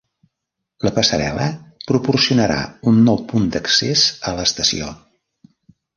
La passarel·la proporcionarà un nou punt d'accés a l'estació.